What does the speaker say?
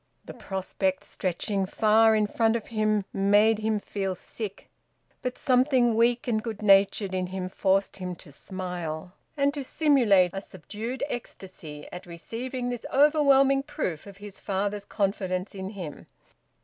The prospect stretching far in front of him made him feel sick. But something weak and good natured in him forced him to smile, and to simulate a subdued ecstasy at receiving this overwhelming proof of his father's confidence in him.